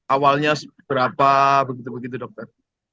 awalnya berapa begitu begitu dokter